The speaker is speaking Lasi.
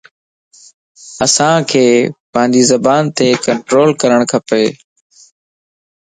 انسان ک پانجي زبان تَ ڪنٽرول ڪرڻ کپ